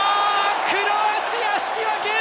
クロアチア、引き分け！